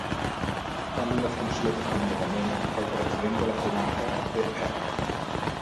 En una funció d'acomiadament, el president de la comarca, Cr.